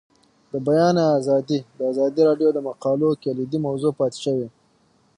د بیان آزادي د ازادي راډیو د مقالو کلیدي موضوع پاتې شوی.